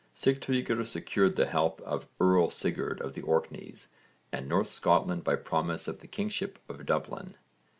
Sigtryggr secured the help of Earl Sigurd of the Orkneys and North Scotland by promise of the kingship of Dublin.